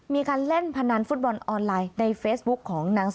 มีการเล่นพนันฟุตบอลออนไลน์